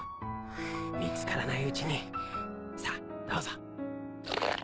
見つからないうちにさあどうぞ